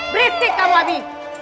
beristik kamu abie